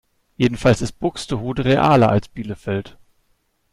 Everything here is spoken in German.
Jedenfalls ist Buxtehude realer als Bielefeld.